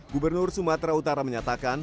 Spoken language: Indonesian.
gubernur sumatera utara menyatakan